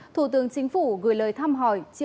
thủ tướng chính phủ gửi lời thăm hỏi